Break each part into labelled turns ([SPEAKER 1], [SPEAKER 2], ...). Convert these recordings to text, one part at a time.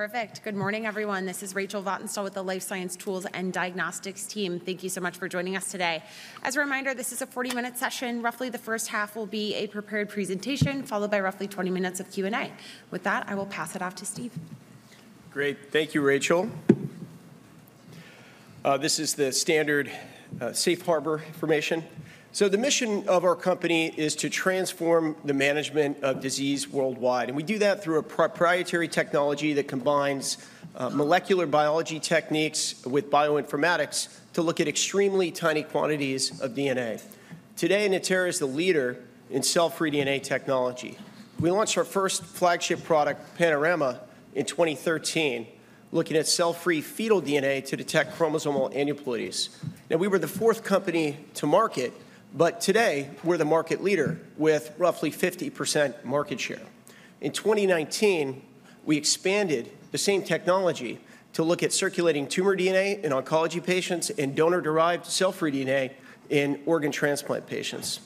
[SPEAKER 1] Perfect. Good morning, everyone. This is Rachel Vatnsdal with the Life Science Tools and Diagnostics team. Thank you so much for joining us today. As a reminder, this is a 40-minute session. Roughly the first half will be a prepared presentation, followed by roughly 20 minutes of Q&A. With that, I will pass it off to Steve.
[SPEAKER 2] Great. Thank you, Rachel. This is the standard safe harbor information. So the mission of our company is to transform the management of disease worldwide. And we do that through a proprietary technology that combines molecular biology techniques with bioinformatics to look at extremely tiny quantities of DNA. Today, Natera is the leader in cell-free DNA technology. We launched our first flagship product, Panorama, in 2013, looking at cell-free fetal DNA to detect chromosomal aneuploidies. Now, we were the fourth company to market, but today we're the market leader with roughly 50% market share. In 2019, we expanded the same technology to look at circulating tumor DNA in oncology patients and donor-derived cell-free DNA in organ transplant patients.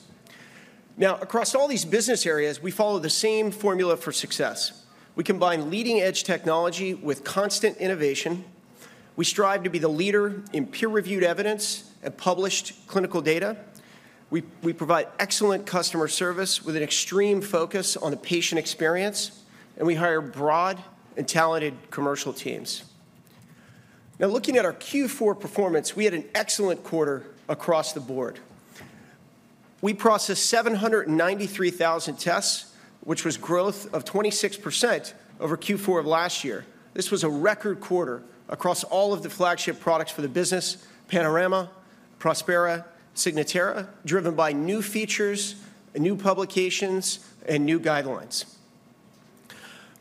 [SPEAKER 2] Now, across all these business areas, we follow the same formula for success. We combine leading-edge technology with constant innovation. We strive to be the leader in peer-reviewed evidence and published clinical data. We provide excellent customer service with an extreme focus on the patient experience. And we hire broad and talented commercial teams. Now, looking at our Q4 performance, we had an excellent quarter across the board. We processed 793,000 tests, which was a growth of 26% over Q4 of last year. This was a record quarter across all of the flagship products for the business: Panorama, Prospera, Signatera, driven by new features, new publications, and new guidelines.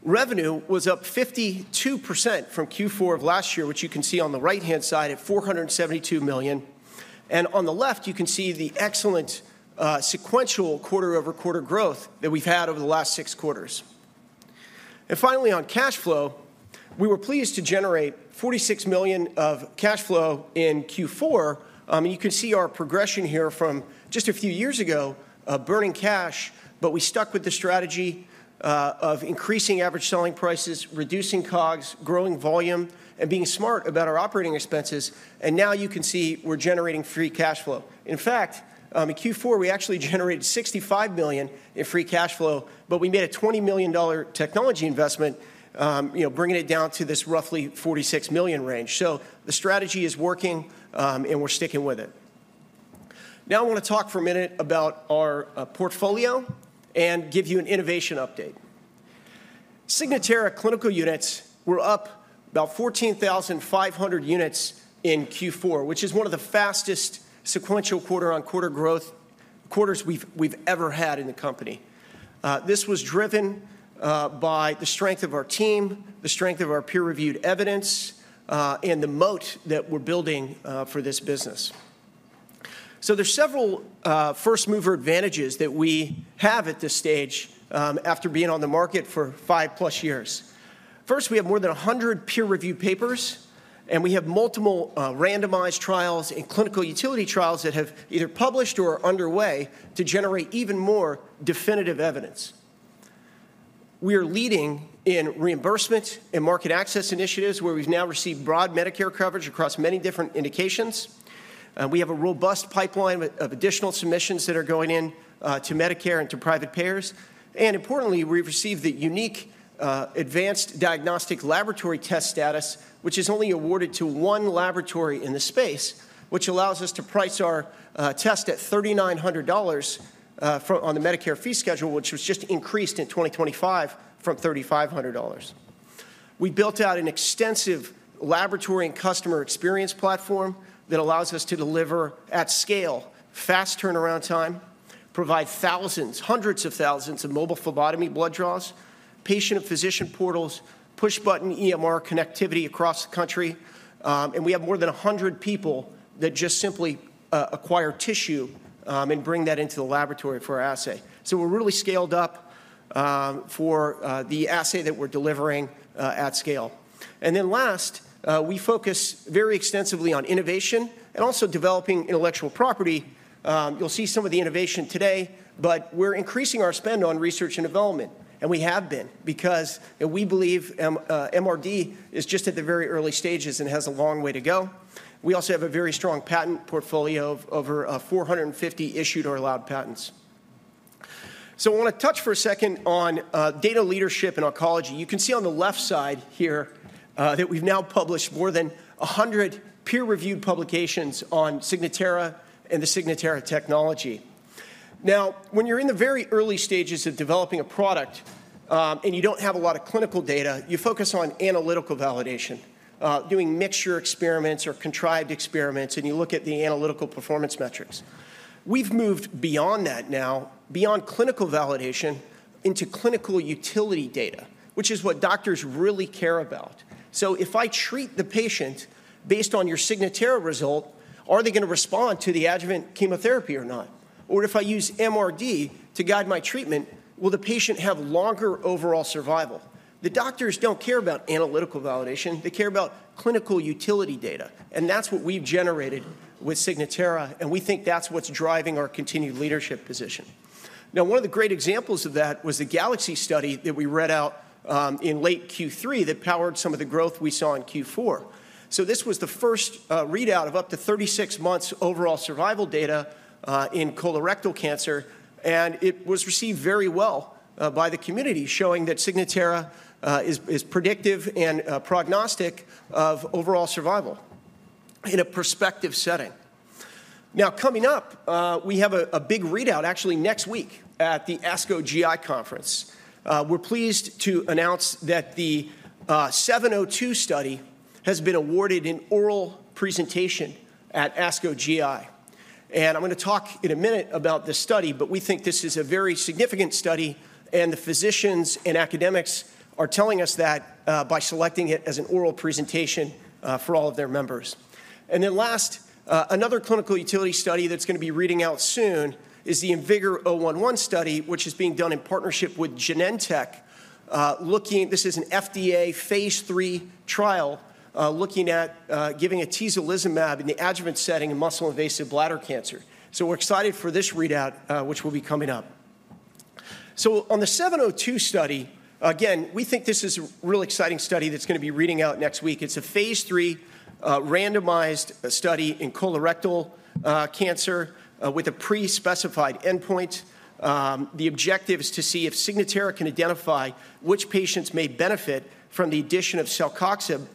[SPEAKER 2] Revenue was up 52% from Q4 of last year, which you can see on the right-hand side at $472 million. And on the left, you can see the excellent sequential quarter-over-quarter growth that we've had over the last six quarters. And finally, on cash flow, we were pleased to generate $46 million of cash flow in Q4. You can see our progression here from just a few years ago of burning cash, but we stuck with the strategy of increasing average selling prices, reducing COGS, growing volume, and being smart about our operating expenses. Now you can see we're generating free cash flow. In fact, in Q4, we actually generated $65 million in free cash flow, but we made a $20 million technology investment, bringing it down to this roughly $46 million range. The strategy is working, and we're sticking with it. Now I want to talk for a minute about our portfolio and give you an innovation update. Signatera clinical units were up about 14,500 units in Q4, which is one of the fastest sequential quarter-on-quarter growth quarters we've ever had in the company. This was driven by the strength of our team, the strength of our peer-reviewed evidence, and the moat that we're building for this business. So there are several first-mover advantages that we have at this stage after being on the market for five+ years. First, we have more than 100 peer-reviewed papers, and we have multiple randomized trials and clinical utility trials that have either published or are underway to generate even more definitive evidence. We are leading in reimbursement and market access initiatives, where we've now received broad Medicare coverage across many different indications. We have a robust pipeline of additional submissions that are going in to Medicare and to private payers. And importantly, we've received the unique Advanced Diagnostic Laboratory Test status, which is only awarded to one laboratory in the space, which allows us to price our test at $3,900 on the Medicare fee schedule, which was just increased in 2025 from $3,500. We built out an extensive laboratory and customer experience platform that allows us to deliver at scale, fast turnaround time, provide thousands, hundreds of thousands of mobile phlebotomy blood draws, patient and physician portals, push-button EMR connectivity across the country. And we have more than 100 people that just simply acquire tissue and bring that into the laboratory for our assay. So we're really scaled up for the assay that we're delivering at scale. And then last, we focus very extensively on innovation and also developing intellectual property. You'll see some of the innovation today, but we're increasing our spend on research and development. And we have been because we believe MRD is just at the very early stages and has a long way to go. We also have a very strong patent portfolio of over 450 issued or allowed patents. So I want to touch for a second on data leadership in oncology. You can see on the left side here that we've now published more than 100 peer-reviewed publications on Signatera and the Signatera technology. Now, when you're in the very early stages of developing a product and you don't have a lot of clinical data, you focus on analytical validation, doing mixture experiments or contrived experiments, and you look at the analytical performance metrics. We've moved beyond that now, beyond clinical validation, into clinical utility data, which is what doctors really care about. So if I treat the patient based on your Signatera result, are they going to respond to the adjuvant chemotherapy or not? Or if I use MRD to guide my treatment, will the patient have longer overall survival? The doctors don't care about analytical validation. They care about clinical utility data. And that's what we've generated with Signatera. And we think that's what's driving our continued leadership position. Now, one of the great examples of that was the GALAXY study that we read out in late Q3 that powered some of the growth we saw in Q4. So this was the first readout of up to 36 months overall survival data in colorectal cancer. And it was received very well by the community, showing that Signatera is predictive and prognostic of overall survival in a prospective setting. Now, coming up, we have a big readout actually next week at the ASCO GI Conference. We're pleased to announce that the 702 study has been awarded an oral presentation at ASCO GI. And I'm going to talk in a minute about this study, but we think this is a very significant study. And the physicians and academics are telling us that by selecting it as an oral presentation for all of their members. And then last, another clinical utility study that's going to be reading out soon is the IMvigor011 study, which is being done in partnership with Genentech. This is an FDA phase III trial looking at giving a atezolizumab in the adjuvant setting in muscle-invasive bladder cancer. So we're excited for this readout, which will be coming up. On the 702 study, again, we think this is a really exciting study that's going to be reading out next week. It's a phase III randomized study in colorectal cancer with a pre-specified endpoint. The objective is to see if Signatera can identify which patients may benefit from the addition of celecoxib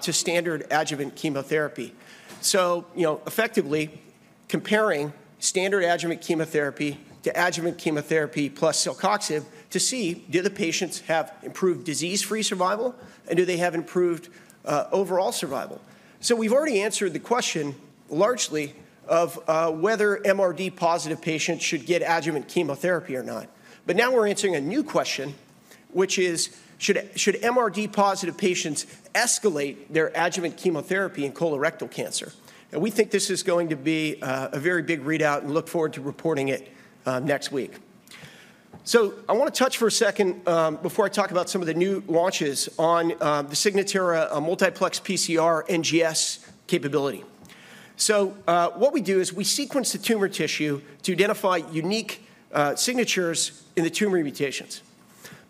[SPEAKER 2] to standard adjuvant chemotherapy. Effectively comparing standard adjuvant chemotherapy to adjuvant chemotherapy plus celecoxib to see do the patients have improved disease-free survival and do they have improved overall survival. We've already answered the question largely of whether MRD-positive patients should get adjuvant chemotherapy or not. Now we're answering a new question, which is should MRD-positive patients escalate their adjuvant chemotherapy in colorectal cancer? We think this is going to be a very big readout and look forward to reporting it next week. So I want to touch for a second before I talk about some of the new launches on the Signatera multiplex PCR NGS capability. So what we do is we sequence the tumor tissue to identify unique signatures in the tumor mutations.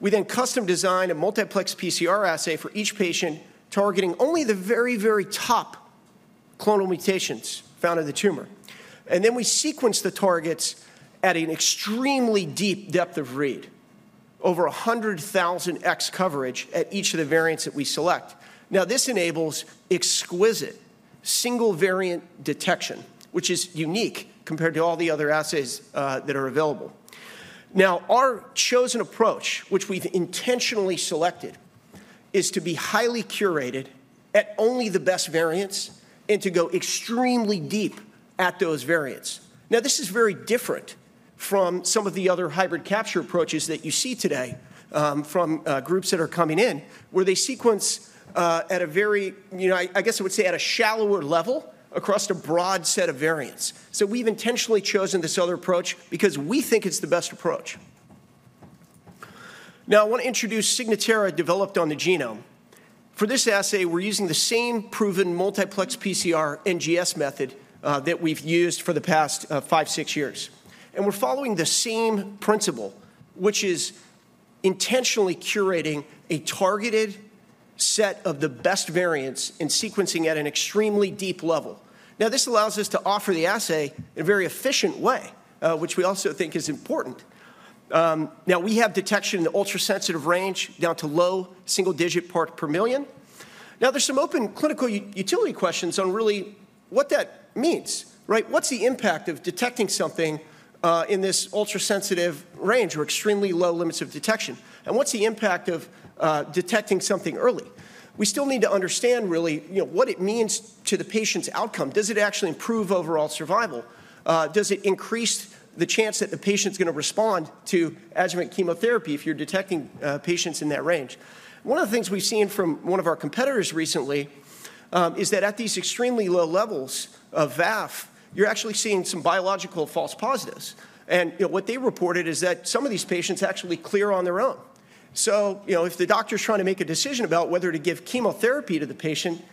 [SPEAKER 2] We then custom design a multiplex PCR assay for each patient, targeting only the very, very top clonal mutations found in the tumor. And then we sequence the targets at an extremely deep depth of read, over 100,000x coverage at each of the variants that we select. Now, this enables exquisite single-variant detection, which is unique compared to all the other assays that are available. Now, our chosen approach, which we've intentionally selected, is to be highly curated at only the best variants and to go extremely deep at those variants. Now, this is very different from some of the other hybrid capture approaches that you see today from groups that are coming in, where they sequence at a very, I guess I would say, at a shallower level across a broad set of variants. So we've intentionally chosen this other approach because we think it's the best approach. Now, I want to introduce Signatera developed on the genome. For this assay, we're using the same proven multiplex PCR NGS method that we've used for the past five, six years. And we're following the same principle, which is intentionally curating a targeted set of the best variants and sequencing at an extremely deep level. Now, this allows us to offer the assay in a very efficient way, which we also think is important. Now, we have detection in the ultra-sensitive range down to low single-digit parts per million. Now, there's some open clinical utility questions on really what that means. What's the impact of detecting something in this ultra-sensitive range or extremely low limits of detection? And what's the impact of detecting something early? We still need to understand really what it means to the patient's outcome. Does it actually improve overall survival? Does it increase the chance that the patient's going to respond to adjuvant chemotherapy if you're detecting patients in that range? One of the things we've seen from one of our competitors recently is that at these extremely low levels of VAF, you're actually seeing some biological false positives. And what they reported is that some of these patients actually clear on their own. So if the doctor's trying to make a decision about whether to give chemotherapy to the patient,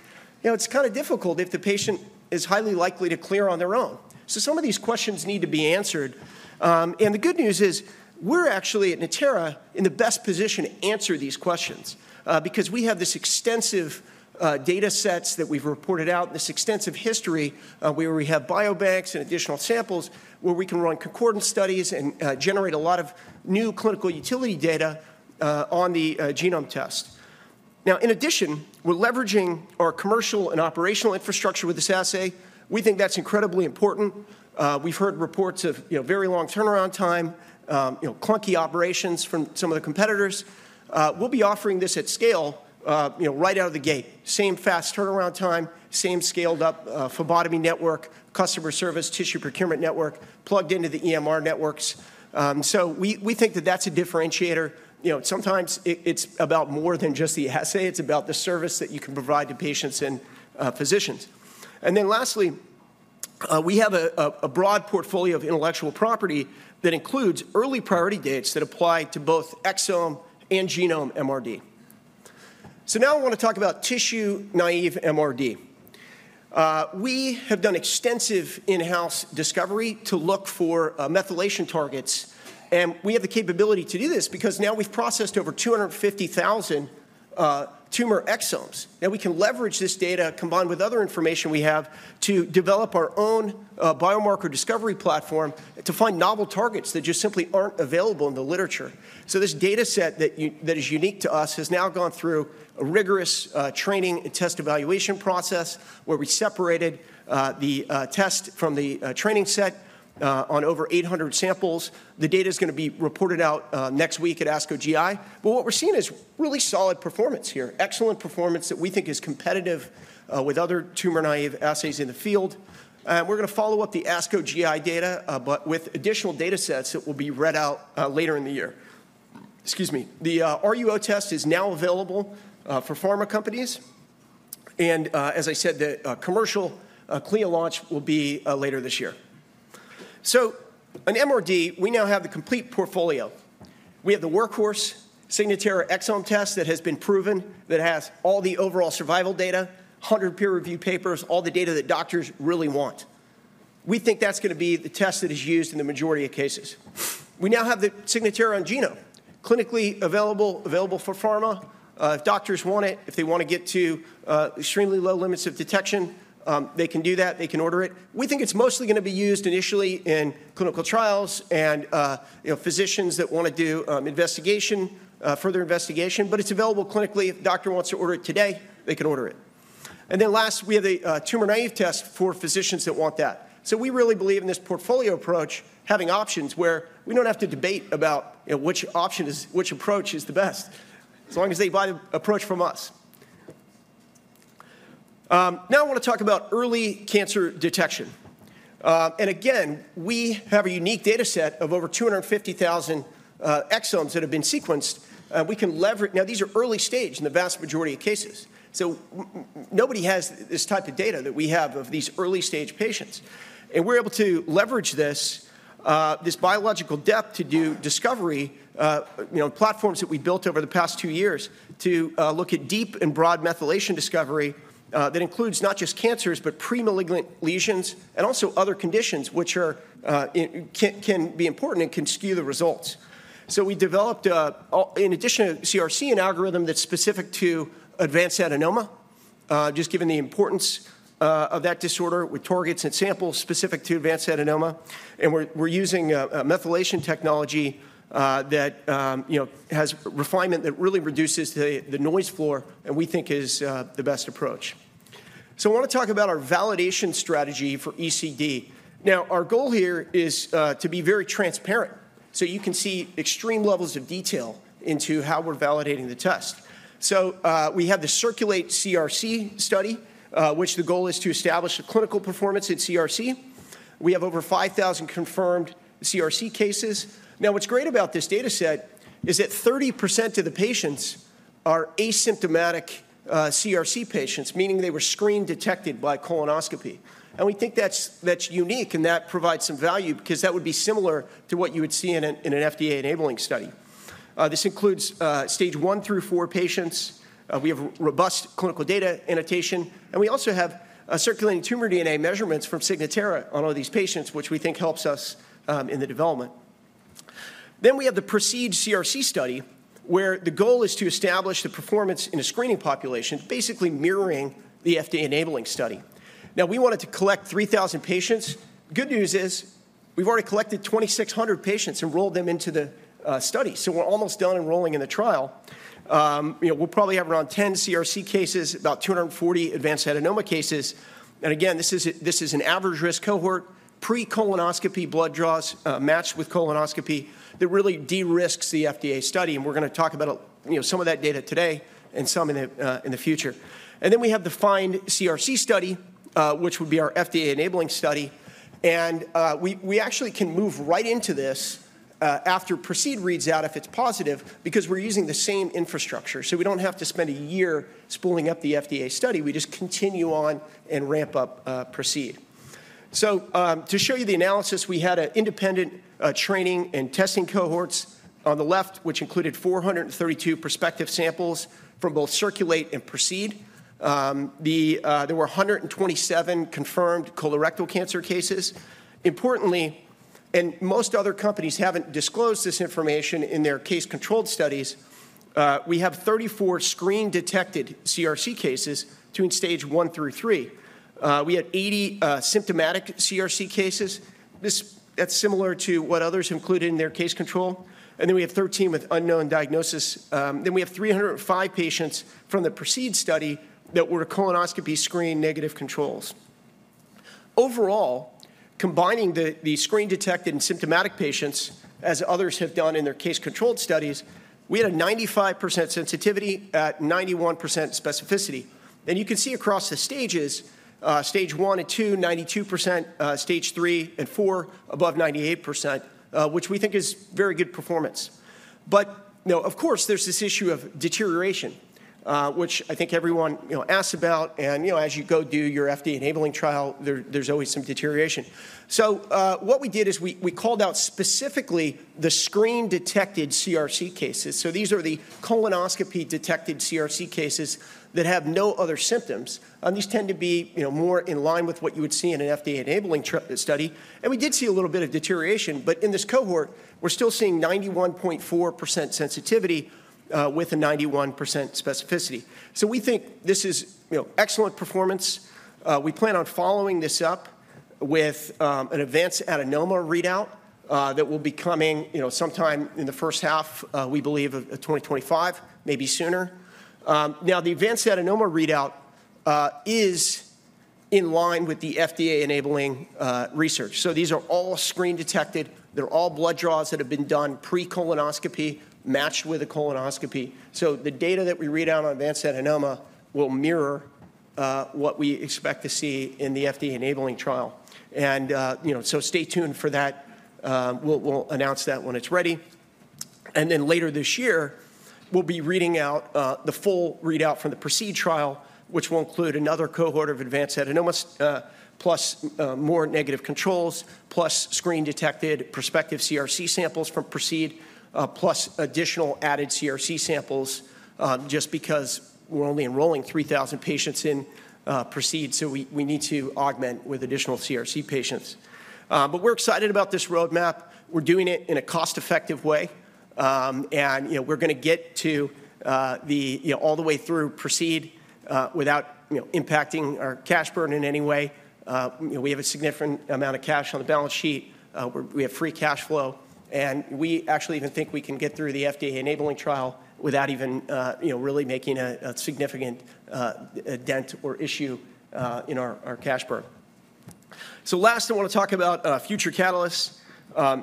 [SPEAKER 2] it's kind of difficult if the patient is highly likely to clear on their own. So some of these questions need to be answered. And the good news is we're actually at Natera in the best position to answer these questions because we have this extensive data sets that we've reported out and this extensive history where we have biobanks and additional samples where we can run concordant studies and generate a lot of new clinical utility data on the genome test. Now, in addition, we're leveraging our commercial and operational infrastructure with this assay. We think that's incredibly important. We've heard reports of very long turnaround time, clunky operations from some of the competitors. We'll be offering this at scale right out of the gate. Same fast turnaround time, same scaled-up phlebotomy network, customer service, tissue procurement network plugged into the EMR networks. So we think that that's a differentiator. Sometimes it's about more than just the assay. It's about the service that you can provide to patients and physicians. And then lastly, we have a broad portfolio of intellectual property that includes early priority dates that apply to both exome and genome MRD. So now I want to talk about tissue-naive MRD. We have done extensive in-house discovery to look for methylation targets. And we have the capability to do this because now we've processed over 250,000 tumor exomes. Now we can leverage this data combined with other information we have to develop our own biomarker discovery platform to find novel targets that just simply aren't available in the literature. So this data set that is unique to us has now gone through a rigorous training and test evaluation process where we separated the test from the training set on over 800 samples. The data is going to be reported out next week at ASCO GI. But what we're seeing is really solid performance here, excellent performance that we think is competitive with other tumor-naive assays in the field. And we're going to follow up the ASCO GI data, but with additional data sets that will be read out later in the year. Excuse me. The RUO test is now available for pharma companies. And as I said, the commercial clean launch will be later this year. So an MRD, we now have the complete portfolio. We have the workhorse Signatera exome test that has been proven that has all the overall survival data, 100 peer-reviewed papers, all the data that doctors really want. We think that's going to be the test that is used in the majority of cases. We now have the Signatera on genome, clinically available, available for pharma. If doctors want it, if they want to get to extremely low limits of detection, they can do that. They can order it. We think it's mostly going to be used initially in clinical trials and physicians that want to do investigation, further investigation. But it's available clinically. If the doctor wants to order it today, they can order it, and then last, we have the tumor-naive test for physicians that want that. So we really believe in this portfolio approach having options where we don't have to debate about which approach is the best as long as they buy the approach from us. Now I want to talk about early cancer detection. And again, we have a unique data set of over 250,000 exomes that have been sequenced. Now, these are early stage in the vast majority of cases. So nobody has this type of data that we have of these early stage patients. And we're able to leverage this biological depth to do discovery platforms that we built over the past two years to look at deep and broad methylation discovery that includes not just cancers, but premalignant lesions and also other conditions which can be important and can skew the results. We developed, in addition to CRC, an algorithm that's specific to advanced adenoma, just given the importance of that disorder with targets and samples specific to advanced adenoma. We're using a methylation technology that has refinement that really reduces the noise floor and we think is the best approach. I want to talk about our validation strategy for ECD. Our goal here is to be very transparent so you can see extreme levels of detail into how we're validating the test. We have the CIRCULATE-CRC study, which the goal is to establish a clinical performance in CRC. We have over 5,000 confirmed CRC cases. What's great about this data set is that 30% of the patients are asymptomatic CRC patients, meaning they were screened detected by colonoscopy. We think that's unique and that provides some value because that would be similar to what you would see in an FDA enabling study. This includes stage one through four patients. We have robust clinical data annotation. We also have circulating tumor DNA measurements from Signatera on all these patients, which we think helps us in the development. We have the PROCEED-CRC study where the goal is to establish the performance in a screening population, basically mirroring the FDA enabling study. Now, we wanted to collect 3,000 patients. Good news is we've already collected 2,600 patients and rolled them into the study. We're almost done enrolling in the trial. We'll probably have around 10 CRC cases, about 240 advanced adenoma cases. Again, this is an average risk cohort, pre-colonoscopy blood draws matched with colonoscopy that really de-risks the FDA study. And we're going to talk about some of that data today and some in the future. And then we have the FIND-CRC study, which would be our FDA enabling study. And we actually can move right into this after PROCEED-CRC reads out if it's positive because we're using the same infrastructure. So we don't have to spend a year spooling up the FDA study. We just continue on and ramp up PROCEED-CRC. So to show you the analysis, we had an independent training and testing cohorts on the left, which included 432 prospective samples from both CIRCULATE-CRC and PROCEED-CRC. There were 127 confirmed colorectal cancer cases. Importantly, and most other companies haven't disclosed this information in their case-control studies, we have 34 screen-detected CRC cases between stage one through three. We had 80 symptomatic CRC cases. That's similar to what others included in their case control. And then we have 13 with unknown diagnosis. Then we have 305 patients from the PROCEED study that were colonoscopy screen negative controls. Overall, combining the screen-detected and symptomatic patients as others have done in their case-control studies, we had a 95% sensitivity at 91% specificity. And you can see across the stages, stage one and two, 92%, stage three and four, above 98%, which we think is very good performance. But of course, there's this issue of deterioration, which I think everyone asks about. And as you go do your FDA enabling trial, there's always some deterioration. So what we did is we called out specifically the screen-detected CRC cases. So these are the colonoscopy-detected CRC cases that have no other symptoms. And these tend to be more in line with what you would see in an FDA enabling study. And we did see a little bit of deterioration. But in this cohort, we're still seeing 91.4% sensitivity with a 91% specificity. So we think this is excellent performance. We plan on following this up with an advanced adenoma readout that will be coming sometime in the first half, we believe, of 2025, maybe sooner. Now, the advanced adenoma readout is in line with the FDA enabling research. So these are all screen-detected. They're all blood draws that have been done pre-colonoscopy, matched with a colonoscopy. So the data that we read out on advanced adenoma will mirror what we expect to see in the FDA enabling trial. And so stay tuned for that. We'll announce that when it's ready. And then later this year, we'll be reading out the full readout from the PROCEED trial, which will include another cohort of advanced adenomas plus more negative controls, plus screen-detected prospective CRC samples from PROCEED, plus additional added CRC samples just because we're only enrolling 3,000 patients in PROCEED. So we need to augment with additional CRC patients. But we're excited about this roadmap. We're doing it in a cost-effective way. And we're going to get to all the way through PROCEED without impacting our cash burn in any way. We have a significant amount of cash on the balance sheet. We have free cash flow. And we actually even think we can get through the FDA enabling trial without even really making a significant dent or issue in our cash burn. So last, I want to talk about future catalysts.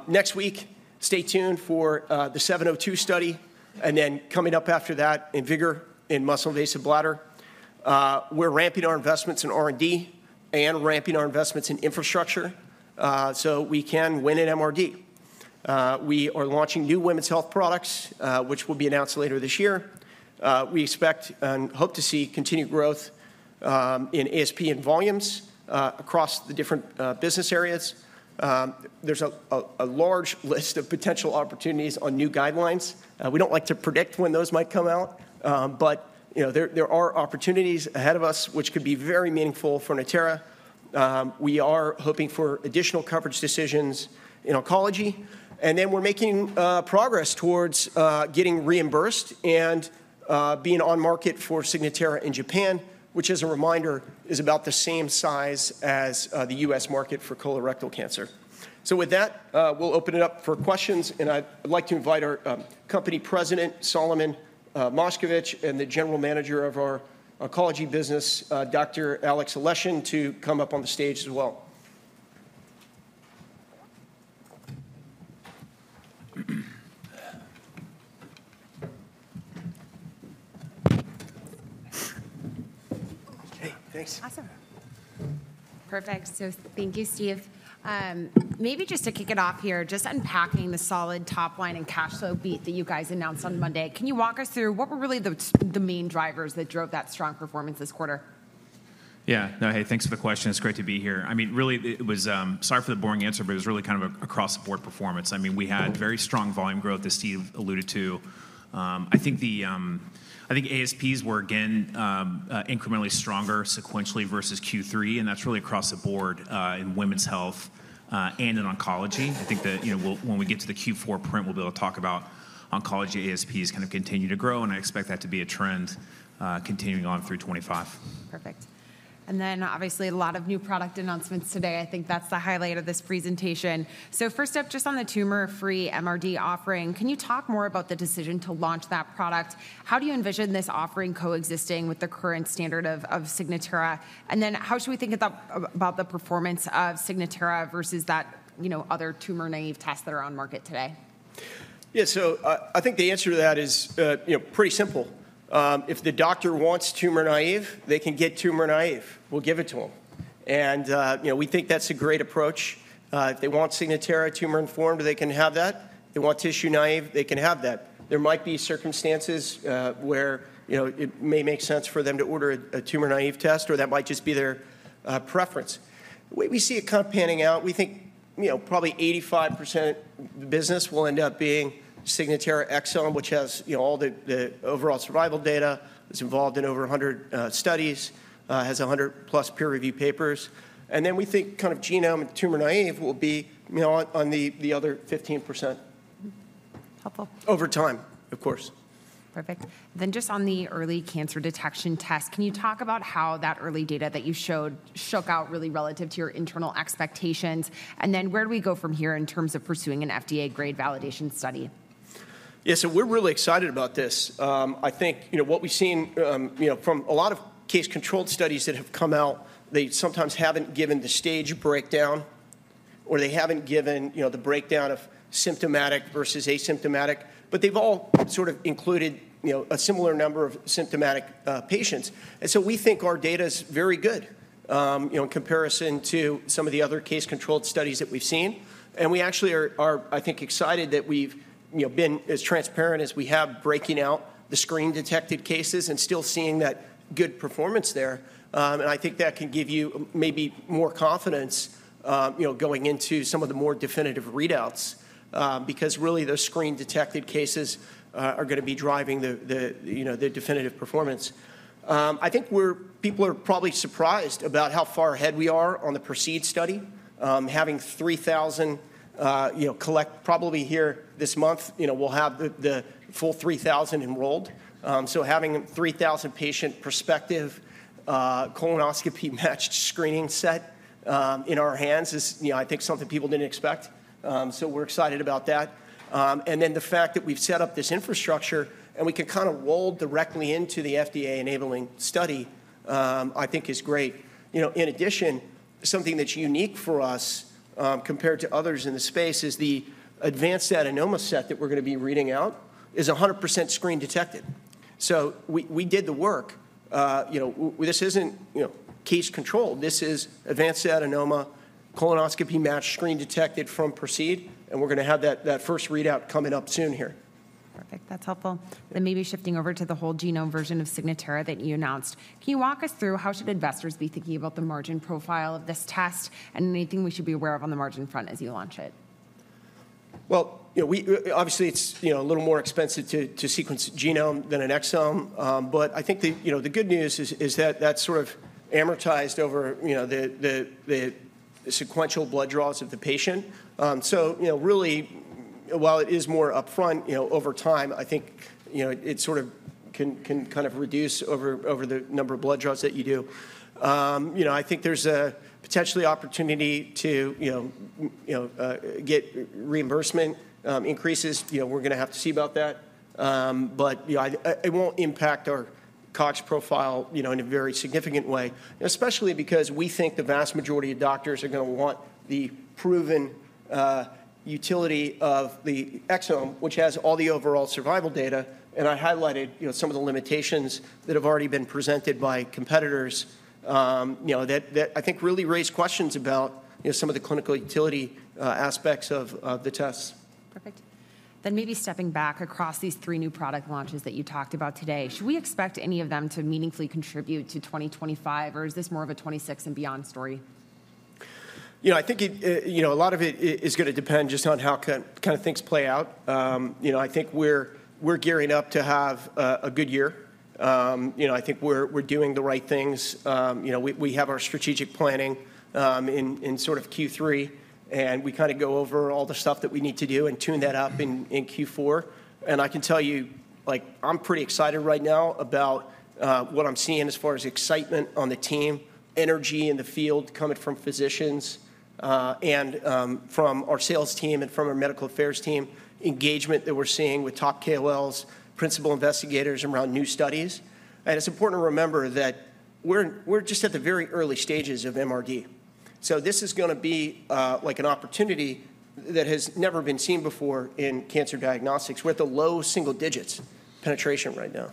[SPEAKER 2] Next week, stay tuned for the 702 study. And then coming up after that, IMvigor in muscle-invasive bladder. We're ramping our investments in R&D and ramping our investments in infrastructure so we can win an MRD. We are launching new women's health products, which will be announced later this year. We expect and hope to see continued growth in ASP and volumes across the different business areas. There's a large list of potential opportunities on new guidelines. We don't like to predict when those might come out. But there are opportunities ahead of us which could be very meaningful for Natera. We are hoping for additional coverage decisions in oncology. And then we're making progress towards getting reimbursed and being on market for Signatera in Japan, which, as a reminder, is about the same size as the U.S. market for colorectal cancer. So with that, we'll open it up for questions. I'd like to invite our company president, Solomon Moshkevich, and the general manager of our oncology business, Dr. Alexey Aleshin, to come up on the stage as well.
[SPEAKER 1] Okay. Thanks. Awesome. Perfect. So thank you, Steve. Maybe just to kick it off here, just unpacking the solid top line and cash flow beat that you guys announced on Monday. Can you walk us through what were really the main drivers that drove that strong performance this quarter?
[SPEAKER 3] Yeah. No, hey, thanks for the question. It's great to be here. I mean, really, it was sorry for the boring answer, but it was really kind of across the board performance. I mean, we had very strong volume growth, as Steve alluded to. I think ASPs were, again, incrementally stronger sequentially versus Q3. And that's really across the board in women's health and in oncology. I think that when we get to the Q4 print, we'll be able to talk about oncology ASPs kind of continue to grow. And I expect that to be a trend continuing on through 2025.
[SPEAKER 1] Perfect. And then, obviously, a lot of new product announcements today. I think that's the highlight of this presentation. So first up, just on the tumor-naive MRD offering, can you talk more about the decision to launch that product? How do you envision this offering coexisting with the current standard of Signatera? And then how should we think about the performance of Signatera versus that other tumor-naive test that are on the market today?
[SPEAKER 4] Yeah. So I think the answer to that is pretty simple. If the doctor wants tumor-naive, they can get tumor-naive. We'll give it to them, and we think that's a great approach. If they want Signatera tumor-informed, they can have that. If they want tissue-naive, they can have that. There might be circumstances where it may make sense for them to order a tumor-naive test, or that might just be their preference. We see it kind of panning out. We think probably 85% of the business will end up being Signatera exome, which has all the overall survival data. It's involved in over 100 studies, has 100+ peer-reviewed papers, and then we think kind of genome and tumor-naive will be on the other 15%.
[SPEAKER 1] Helpful.
[SPEAKER 4] Over time, of course.
[SPEAKER 1] Perfect. Then, just on the early cancer detection test, can you talk about how that early data that you showed shook out really relative to your internal expectations, and then where do we go from here in terms of pursuing an FDA-grade validation study?
[SPEAKER 4] Yeah. So we're really excited about this. I think what we've seen from a lot of case-control studies that have come out, they sometimes haven't given the stage breakdown or they haven't given the breakdown of symptomatic versus asymptomatic. But they've all sort of included a similar number of symptomatic patients. And so we think our data is very good in comparison to some of the other case-control studies that we've seen. And we actually are, I think, excited that we've been as transparent as we have breaking out the screen-detected cases and still seeing that good performance there. And I think that can give you maybe more confidence going into some of the more definitive readouts because, really, those screen-detected cases are going to be driving the definitive performance. I think people are probably surprised about how far ahead we are on the PROCEED study. Having 3,000 collected probably here this month, we'll have the full 3,000 enrolled, so having a 3,000-patient prospective colonoscopy-matched screening set in our hands is, I think, something people didn't expect, so we're excited about that, and then the fact that we've set up this infrastructure and we can kind of roll directly into the FDA enabling study, I think, is great. In addition, something that's unique for us compared to others in the space is the advanced adenoma set that we're going to be reading out is 100% screen-detected, so we did the work. This isn't case control. This is advanced adenoma colonoscopy-matched screen-detected from PROCEED, and we're going to have that first readout coming up soon here.
[SPEAKER 1] Perfect. That's helpful. Then maybe shifting over to the whole genome version of Signatera that you announced. Can you walk us through how should investors be thinking about the margin profile of this test and anything we should be aware of on the margin front as you launch it?
[SPEAKER 4] Obviously, it's a little more expensive to sequence genome than an exome. I think the good news is that that's sort of amortized over the sequential blood draws of the patient. Really, while it is more upfront over time, I think it sort of can kind of reduce over the number of blood draws that you do. I think there's a potential opportunity to get reimbursement increases. We're going to have to see about that. It won't impact our COGS profile in a very significant way, especially because we think the vast majority of doctors are going to want the proven utility of the exome, which has all the overall survival data. I highlighted some of the limitations that have already been presented by competitors that I think really raise questions about some of the clinical utility aspects of the tests.
[SPEAKER 1] Perfect. Then maybe stepping back across these three new product launches that you talked about today, should we expect any of them to meaningfully contribute to 2025, or is this more of a 2026 and beyond story?
[SPEAKER 4] I think a lot of it is going to depend just on how kind of things play out. I think we're gearing up to have a good year. I think we're doing the right things. We have our strategic planning in sort of Q3. And we kind of go over all the stuff that we need to do and tune that up in Q4. And I can tell you I'm pretty excited right now about what I'm seeing as far as excitement on the team, energy in the field coming from physicians and from our sales team and from our medical affairs team, engagement that we're seeing with top KOLs, principal investigators around new studies. And it's important to remember that we're just at the very early stages of MRD. So this is going to be like an opportunity that has never been seen before in cancer diagnostics. We're at the low single digits penetration right now.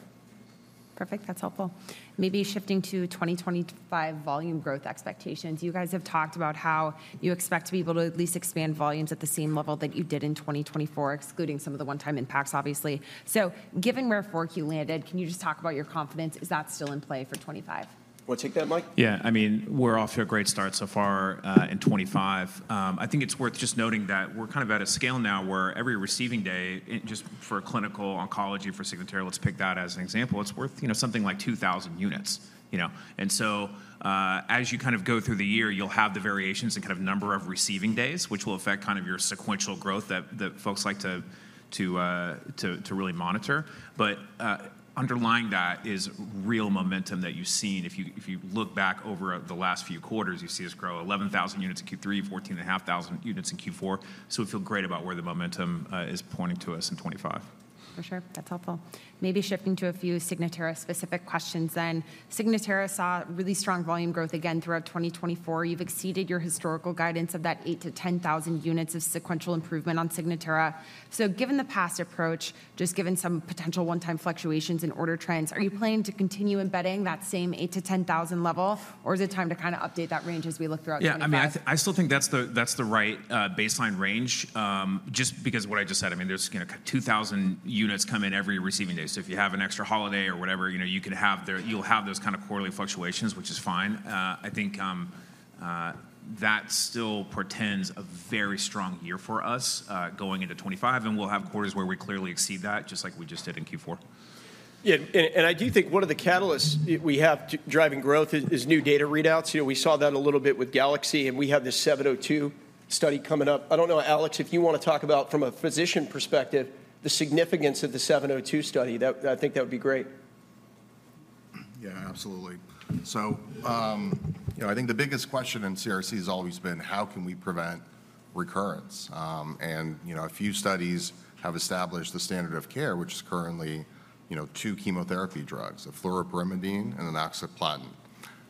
[SPEAKER 1] Perfect. That's helpful. Maybe shifting to 2025 volume growth expectations. You guys have talked about how you expect to be able to at least expand volumes at the same level that you did in 2024, excluding some of the one-time impacts, obviously. So given where 4Q landed, can you just talk about your confidence? Is that still in play for 2025?
[SPEAKER 4] Take that, Mike.
[SPEAKER 3] Yeah. I mean, we're off to a great start so far in 2025. I think it's worth just noting that we're kind of at a scale now where every receiving day, just for clinical oncology for Signatera, let's pick that as an example, it's worth something like 2,000 units. And so as you kind of go through the year, you'll have the variations in kind of number of receiving days, which will affect kind of your sequential growth that folks like to really monitor. But underlying that is real momentum that you've seen. If you look back over the last few quarters, you see us grow 11,000 units in Q3, 14,500 units in Q4. So we feel great about where the momentum is pointing to us in 2025.
[SPEAKER 1] For sure. That's helpful. Maybe shifting to a few Signatera-specific questions then. Signatera saw really strong volume growth again throughout 2024. You've exceeded your historical guidance of that 8,000-10,000 units of sequential improvement on Signatera. So given the past approach, just given some potential one-time fluctuations in order trends, are you planning to continue embedding that same 8,000-10,000 level, or is it time to kind of update that range as we look throughout 2024?
[SPEAKER 3] Yeah. I mean, I still think that's the right baseline range just because of what I just said. I mean, there's 2,000 units come in every receiving day. So if you have an extra holiday or whatever, you can have those kind of quarterly fluctuations, which is fine. I think that still portends a very strong year for us going into 2025, and we'll have quarters where we clearly exceed that, just like we just did in Q4.
[SPEAKER 4] Yeah. And I do think one of the catalysts we have driving growth is new data readouts. We saw that a little bit with GALAXY. And we have this 702 study coming up. I don't know, Alex, if you want to talk about, from a physician perspective, the significance of the 702 study. I think that would be great.
[SPEAKER 5] Yeah, absolutely. So I think the biggest question in CRC has always been, how can we prevent recurrence? And a few studies have established the standard of care, which is currently two chemotherapy drugs, a fluoropyrimidine and an oxaliplatin.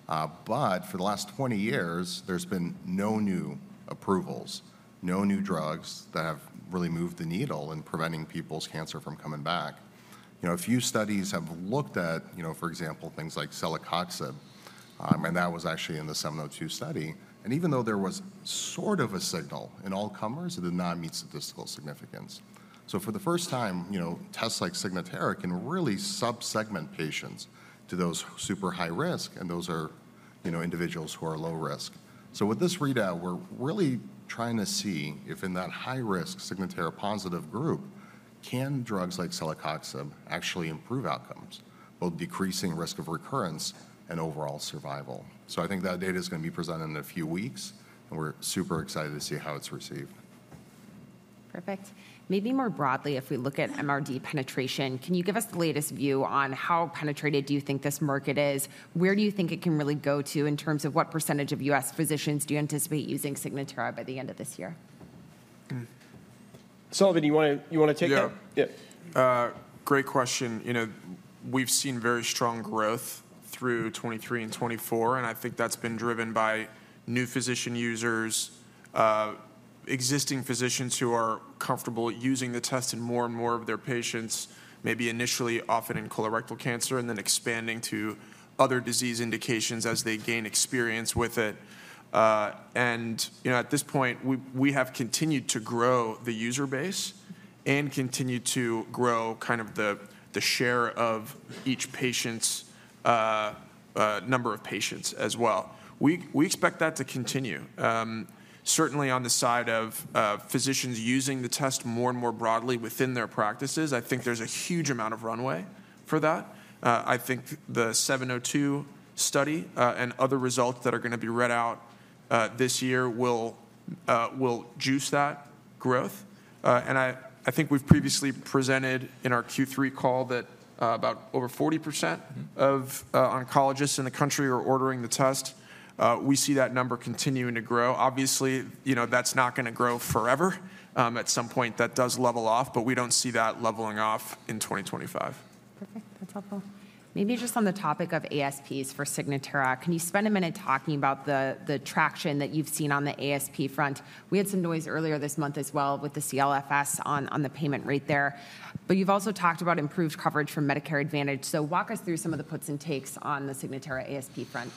[SPEAKER 5] But for the last 20 years, there's been no new approvals, no new drugs that have really moved the needle in preventing people's cancer from coming back. A few studies have looked at, for example, things like celecoxib. And that was actually in the 702 study. And even though there was sort of a signal in all comers, it did not meet statistical significance. So for the first time, tests like Signatera can really subsegment patients to those super high risk, and those are individuals who are low risk. So with this readout, we're really trying to see if in that high-risk Signatera-positive group, can drugs like celecoxib actually improve outcomes, both decreasing risk of recurrence and overall survival. So I think that data is going to be presented in a few weeks. And we're super excited to see how it's received.
[SPEAKER 1] Perfect. Maybe more broadly, if we look at MRD penetration, can you give us the latest view on how penetrated do you think this market is? Where do you think it can really go to in terms of what percentage of U.S. physicians do you anticipate using Signatera by the end of this year?
[SPEAKER 5] Solomon, you want to take that?
[SPEAKER 4] Yeah. Yeah. Great question. We've seen very strong growth through 2023 and 2024, and I think that's been driven by new physician users, existing physicians who are comfortable using the test in more and more of their patients, maybe initially often in colorectal cancer, and then expanding to other disease indications as they gain experience with it, and at this point, we have continued to grow the user base and continue to grow kind of the share of each patient's number of patients as well. We expect that to continue. Certainly, on the side of physicians using the test more and more broadly within their practices, I think there's a huge amount of runway for that. I think the 702 study and other results that are going to be read out this year will juice that growth. I think we've previously presented in our Q3 call that about over 40% of oncologists in the country are ordering the test. We see that number continuing to grow. Obviously, that's not going to grow forever. At some point, that does level off. But we don't see that leveling off in 2025.
[SPEAKER 1] Perfect. That's helpful. Maybe just on the topic of ASPs for Signatera, can you spend a minute talking about the traction that you've seen on the ASP front? We had some noise earlier this month as well with the CLFS on the payment rate there. But you've also talked about improved coverage from Medicare Advantage. So walk us through some of the puts and takes on the Signatera ASP front.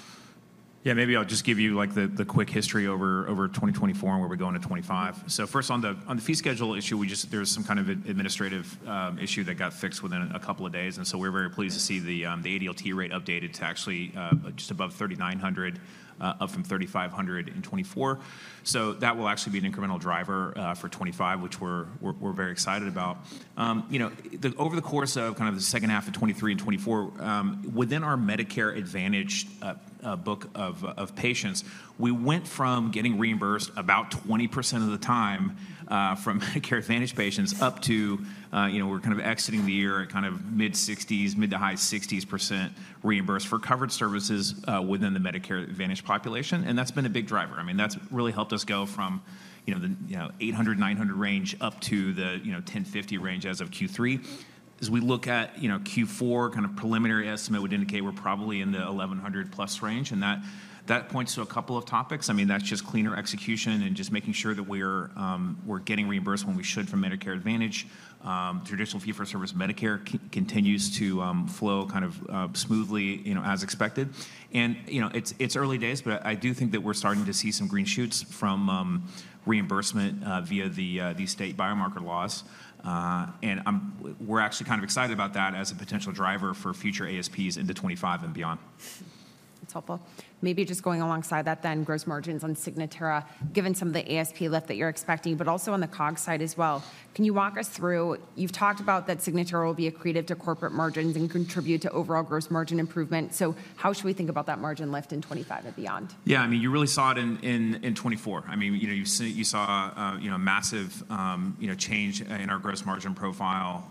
[SPEAKER 3] Yeah. Maybe I'll just give you the quick history over 2024 and where we're going in 2025. So first, on the fee schedule issue, there was some kind of administrative issue that got fixed within a couple of days. And so we're very pleased to see the ADLT rate updated to actually just above $3,900, up from $3,500 in 2024. So that will actually be an incremental driver for 2025, which we're very excited about. Over the course of kind of the second half of 2023 and 2024, within our Medicare Advantage book of patients, we went from getting reimbursed about 20% of the time from Medicare Advantage patients up to we're kind of exiting the year at kind of mid-60s, mid- to high-60s% reimbursed for covered services within the Medicare Advantage population. And that's been a big driver. I mean, that's really helped us go from the 800-900 range up to the 1,050 range as of Q3. As we look at Q4, kind of preliminary estimate would indicate we're probably in the 1,100+ range. And that points to a couple of topics. I mean, that's just cleaner execution and just making sure that we're getting reimbursed when we should from Medicare Advantage. Traditional fee-for-service Medicare continues to flow kind of smoothly as expected. And it's early days, but I do think that we're starting to see some green shoots from reimbursement via the state biomarker laws. And we're actually kind of excited about that as a potential driver for future ASPs into 2025 and beyond.
[SPEAKER 1] That's helpful. Maybe just going alongside that, then, gross margins on Signatera, given some of the ASP lift that you're expecting, but also on the COGS side as well. Can you walk us through? You've talked about that Signatera will be accretive to corporate margins and contribute to overall gross margin improvement. So how should we think about that margin lift in 2025 and beyond?
[SPEAKER 3] Yeah. I mean, you really saw it in 2024. I mean, you saw a massive change in our gross margin profile.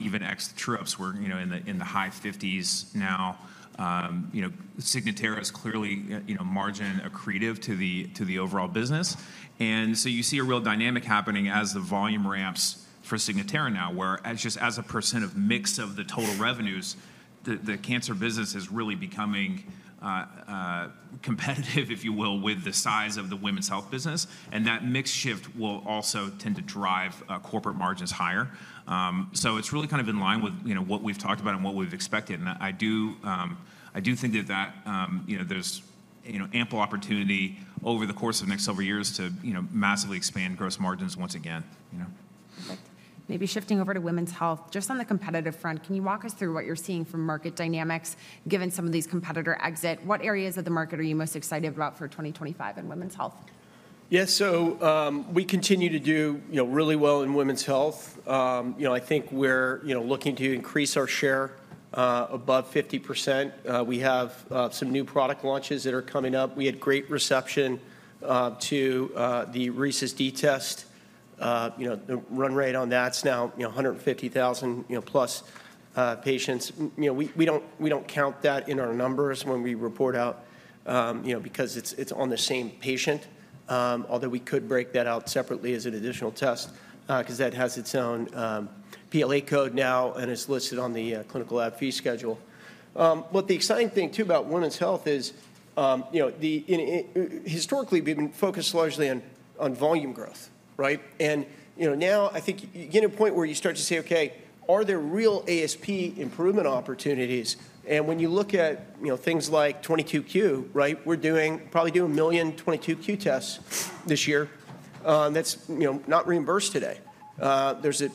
[SPEAKER 3] Even ex-true-ups were in the high 50s% now. Signatera is clearly margin accretive to the overall business. And so you see a real dynamic happening as the volume ramps for Signatera now, where just as a % of mix of the total revenues, the cancer business is really becoming competitive, if you will, with the size of the women's health business. And that mix shift will also tend to drive corporate margins higher. So it's really kind of in line with what we've talked about and what we've expected. And I do think that there's ample opportunity over the course of the next several years to massively expand gross margins once again.
[SPEAKER 1] Perfect. Maybe shifting over to women's health, just on the competitive front, can you walk us through what you're seeing from market dynamics given some of these competitor exits? What areas of the market are you most excited about for 2025 in women's health?
[SPEAKER 4] Yeah, so we continue to do really well in women's health. I think we're looking to increase our share above 50%. We have some new product launches that are coming up. We had great reception to the Rhesus D test. The run rate on that's now 150,000+ patients. We don't count that in our numbers when we report out because it's on the same patient, although we could break that out separately as an additional test because that has its own PLA code now and is listed on the Clinical Lab Fee Schedule. But the exciting thing, too, about women's health is historically, we've been focused largely on volume growth. Now, I think you get to a point where you start to say, "Okay, are there real ASP improvement opportunities?" And when you look at things like 22q, we're probably doing a million 22q tests this year that's not reimbursed today. There's a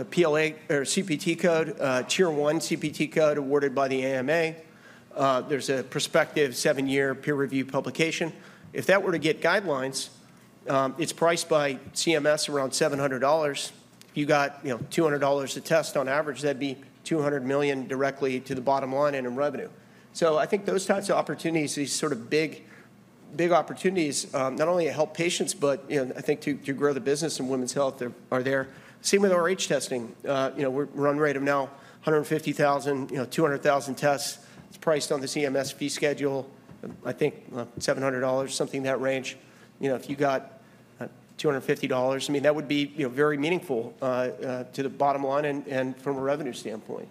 [SPEAKER 4] CPT code, a tier-one CPT code awarded by the AMA. There's a prospective seven-year peer-reviewed publication. If that were to get guidelines, it's priced by CMS around $700. If you got $200 a test on average, that'd be 200 million directly to the bottom line in revenue. So I think those types of opportunities, these sort of big opportunities, not only to help patients, but I think to grow the business in women's health are there. Same with Rh testing. Run rate of now 150,000-200,000 tests. It's priced on the CMS fee schedule, I think $700, something in that range. If you got $250, I mean, that would be very meaningful to the bottom line and from a revenue standpoint.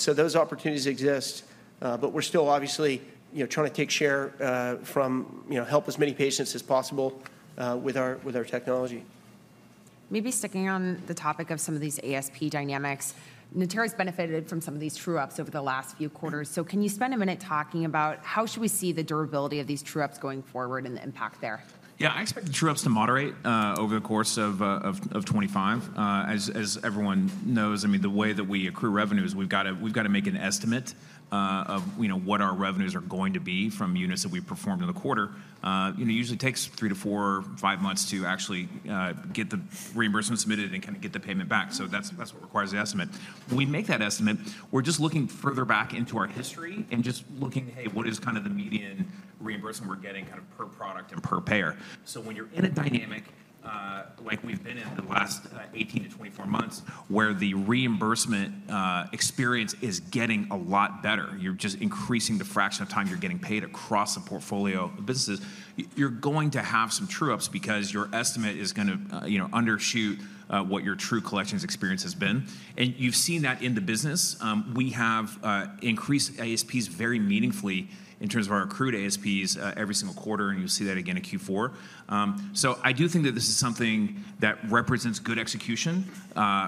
[SPEAKER 4] So those opportunities exist. But we're still obviously trying to take share, to help as many patients as possible with our technology.
[SPEAKER 1] Maybe sticking on the topic of some of these ASP dynamics, Natera has benefited from some of these true-ups over the last few quarters. So can you spend a minute talking about how should we see the durability of these true-ups going forward and the impact there?
[SPEAKER 3] Yeah. I expect the true-ups to moderate over the course of 2025. As everyone knows, I mean, the way that we accrue revenues, we've got to make an estimate of what our revenues are going to be from units that we've performed in the quarter. It usually takes three to four, five months to actually get the reimbursement submitted and kind of get the payment back. So that's what requires the estimate. When we make that estimate, we're just looking further back into our history and just looking, "Hey, what is kind of the median reimbursement we're getting kind of per product and per payer?" So when you're in a dynamic like we've been in the last 18-24 months where the reimbursement experience is getting a lot better, you're just increasing the fraction of time you're getting paid across the portfolio of businesses, you're going to have some true-ups because your estimate is going to undershoot what your true collections experience has been. And you've seen that in the business. We have increased ASPs very meaningfully in terms of our accrued ASPs every single quarter. And you'll see that again in Q4. So I do think that this is something that represents good execution,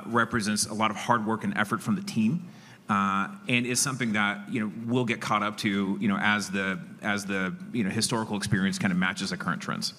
[SPEAKER 3] represents a lot of hard work and effort from the team, and is something that we'll get caught up to as the historical experience kind of matches our current trends.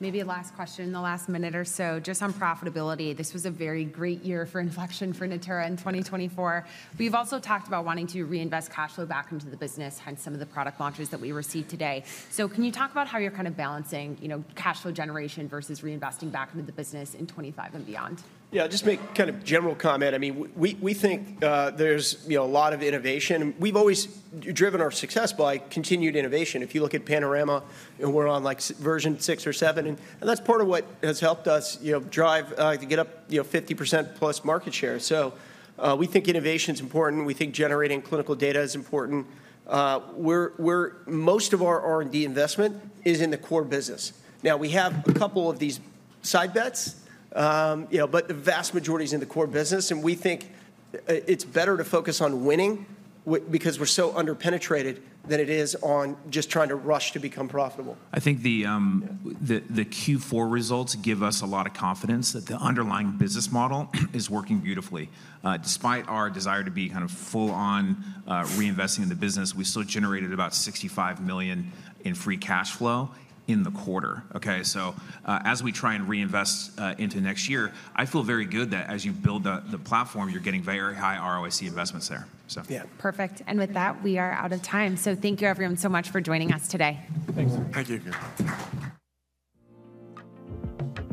[SPEAKER 1] Maybe a last question, the last minute or so, just on profitability. This was a very great year for inflection for Natera in 2024. We've also talked about wanting to reinvest cash flow back into the business, hence some of the product launches that we received today. So can you talk about how you're kind of balancing cash flow generation versus reinvesting back into the business in 2025 and beyond?
[SPEAKER 4] Yeah. I'll just make kind of a general comment. I mean, we think there's a lot of innovation. We've always driven our success by continued innovation. If you look at Panorama, we're on version six or seven. And that's part of what has helped us drive to get up 50%+ market share. So we think innovation is important. We think generating clinical data is important. Most of our R&D investment is in the core business. Now, we have a couple of these side bets, but the vast majority is in the core business. And we think it's better to focus on winning because we're so underpenetrated than it is on just trying to rush to become profitable.
[SPEAKER 3] I think the Q4 results give us a lot of confidence that the underlying business model is working beautifully. Despite our desire to be kind of full-on reinvesting in the business, we still generated about $65 million in free cash flow in the quarter. Okay? So as we try and reinvest into next year, I feel very good that as you build the platform, you're getting very high ROIC investments there.
[SPEAKER 1] Yeah. Perfect, and with that, we are out of time, so thank you, everyone, so much for joining us today.
[SPEAKER 5] Thanks.
[SPEAKER 4] Thank you.